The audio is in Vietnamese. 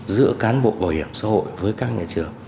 giữa cán bộ bảo hiểm xã hội với các nhà trường